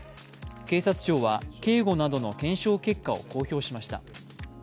警察庁は警護などの検証結果を公表しました。